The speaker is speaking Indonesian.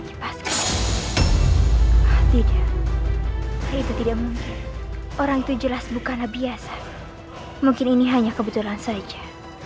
tidak itu tidak mungkin orang itu jelas bukanlah biasa mungkin ini hanya kebetulan saja